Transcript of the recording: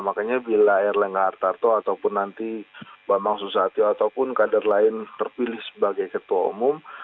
makanya bila erlangga hartarto ataupun nanti bambang susatyo ataupun kader lain terpilih sebagai ketua umum